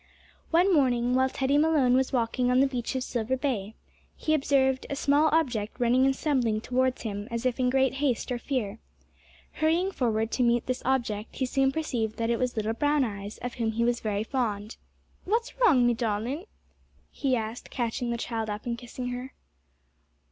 One morning, while Teddy Malone was walking on the beach of Silver Bay, he observed a small object running and stumbling towards him, as if in great haste or fear. Hurrying forward to meet this object he soon perceived that it was little Brown eyes, of whom he was very fond. "What's wrong, me darlint?" he asked, catching the child up and kissing her.